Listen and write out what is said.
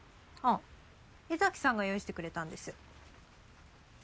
あっ柄崎さんが用意してくれたんです。